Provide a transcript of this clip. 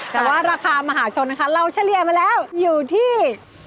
แต่ว่าราคามหาชนนะคะเราเฉลี่ยมาแล้วอยู่ที่